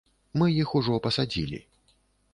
Мы іх ужо пасадзілі.